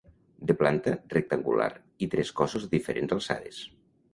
De planta rectangular i tres cossos de diferents alçades.